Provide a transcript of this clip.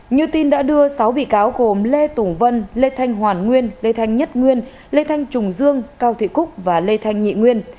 như tin đã đưa sáu bị cáo gồm lê tùng vân lê thanh hoàn nguyên lê thanh nhất nguyên lê thanh trùng dương cao thị cúc và lê thanh nhị nguyên